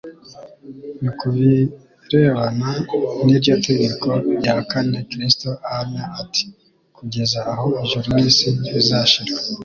Ni ku bierbana n’iryo tegeko rya kane Kristo ahamya ati: “ Kugeza aho ijuru n’isi bizashirira,